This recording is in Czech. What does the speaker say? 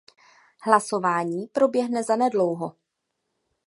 Hlasování proběhne zanedlouho.